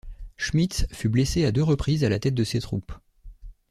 Schmitz fut blessé à deux reprises à la tête de ses troupes.